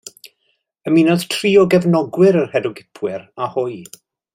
Ymunodd tri o gefnogwyr yr herwgipwyr â hwy.